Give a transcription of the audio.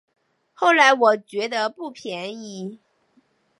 后来我觉得不便宜